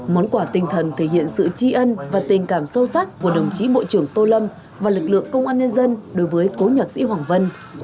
món quà tinh thần thể hiện sự tri ân và tình cảm sâu sắc của đồng chí bộ trưởng tô lâm và lực lượng công an nhân dân đối với cố nhạc sĩ hoàng vân